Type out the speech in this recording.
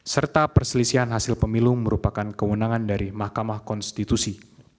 serta perselisihan hasil pemilu merupakan kewenangan dari mahkamah konstitusi